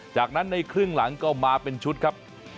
จากนั้นในครึ่งหลังก็มาเป็นชุดครับ